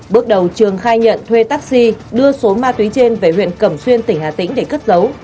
bước đầu trường khai nhận thuê taxi đưa số ma túy trên về huyện cẩm xuyên tỉnh hà tĩnh để cất dấu